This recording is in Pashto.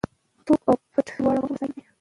توپ او بېټ دواړه مهم وسایل دي.